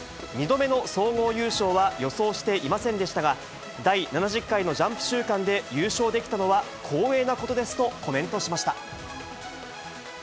２度目の総合優勝は予想していませんでしたが、第７０回のジャンプ週間で優勝できたのは光栄なことですとコメントしました。